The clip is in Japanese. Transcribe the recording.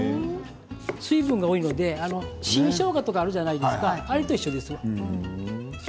水分が多いので新しょうがとかあるじゃないですかあれと一緒です。